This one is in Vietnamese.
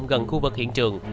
gần khu vực hiện trường